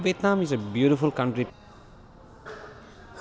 việt nam là một quốc gia đẹp đẹp